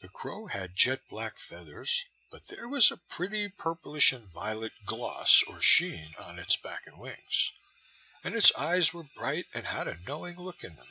The crow had jet black feathers, but there was a pretty purplish and violet gloss, or sheen, on its back and wings, and its eyes were bright and had a knowing look in them.